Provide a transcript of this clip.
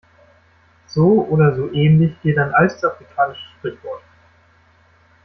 So oder so ähnlich geht ein altes afrikanisches Sprichwort.